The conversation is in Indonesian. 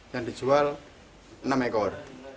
yang dijual enam ekor